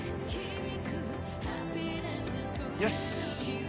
よし！